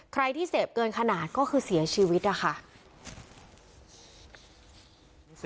ใครที่เสพเกินขนาดก็คือเสียชีวิตนะคะ